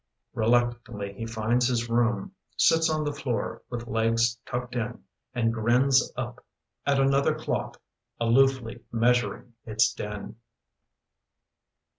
Reluctantly he finds his room, Sits on the floor, with legs tucked in, And grins up at another clock Aloofly measuring its din.